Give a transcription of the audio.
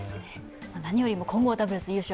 何よりも混合ダブルス優勝